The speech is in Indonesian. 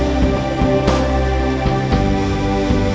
terima kasih dewa ya